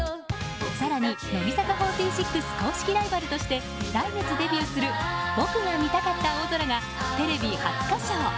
更に乃木坂４６公式ライバルとして来月デビューする僕が見たかった青空がテレビ初歌唱。